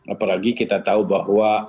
apalagi kita tahu bahwa